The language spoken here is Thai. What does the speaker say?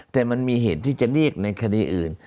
แต่มันมีเหตุที่จะเรียกในคดีอื่น